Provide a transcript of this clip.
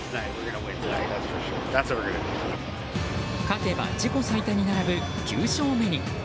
勝てば自己最多に並ぶ９勝目に。